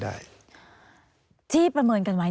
การเลือกตั้งครั้งนี้แน่